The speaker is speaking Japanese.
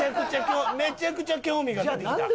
めちゃくちゃ興味が出てきた。